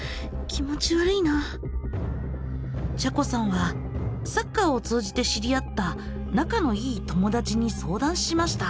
ちゃこさんはサッカーを通じて知り合った仲のいい友だちに相談しました。